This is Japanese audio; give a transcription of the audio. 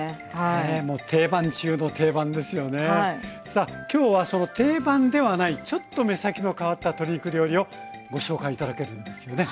さあ今日はその定番ではないちょっと目先の変わった鶏肉料理をご紹介頂けるんですよね。